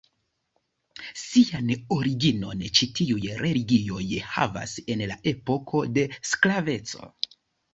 Sian originon ĉi tiuj religioj havas en la epoko de sklaveco.